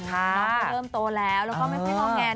น้องก็เริ่มโตแล้วแล้วก็ไม่ค่อยง้อแงน